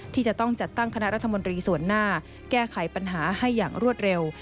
ที่จะต้องจัดตั้งคณะรัฐมนตรีส่วนหน้าแก้ไขปัญหาให้อย่างรวดเร็ว